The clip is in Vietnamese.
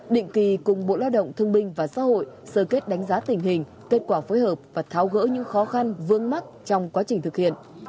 định kỳ cùng bộ lao động thương binh và xã hội sơ kết đánh giá tình hình kết quả phối hợp và tháo gỡ những khó khăn vướng mắt trong quá trình thực hiện